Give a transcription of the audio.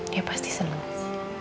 dia pasti seneng sih